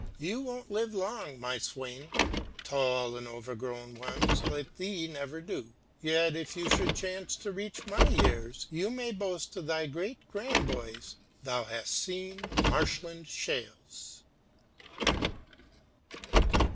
You won't live long, my swain; tall and overgrown ones like thee never do: yet, if you should chance to reach my years, you may boast to thy great grand boys, thou hast seen Marshland Shales."